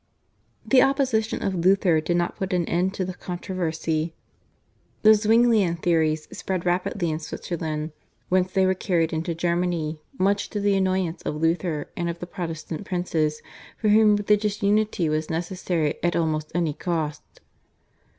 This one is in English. '" The opposition of Luther did not put an end to the controversy. The Zwinglian theories spread rapidly in Switzerland, whence they were carried into Germany, much to the annoyance of Luther and of the Protestant princes for whom religious unity was necessary at almost any cost.